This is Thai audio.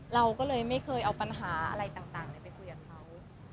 เราก็เลยไม่เคยเอาปัญหาอะไรต่างไปคุยกับเขา